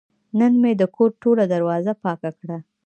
نن مې د کور ټوله دروازه پاکه کړه.